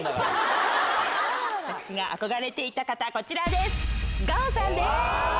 私が憧れていた方こちらです！